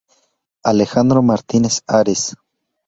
Alejandro Martínez Ares